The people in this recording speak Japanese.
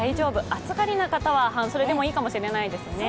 暑がりな方は半袖でもいいかもしれないですね。